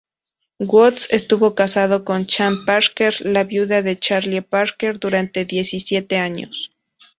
Woods estuvo casado con Chan Parker, la viuda de Charlie Parker, durante diecisiete años.